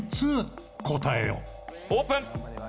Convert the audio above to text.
オープン。